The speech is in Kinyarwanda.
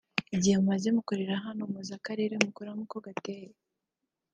Igihe mumaze hano muzi Akarere mukoreramo uko gateye